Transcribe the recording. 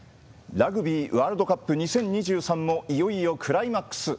ラグビーワールドカップ２０２３もいよいよクライマックス。